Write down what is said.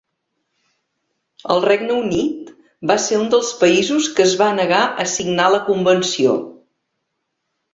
El Regne Unit va ser un dels països que es va negar a signar la convenció.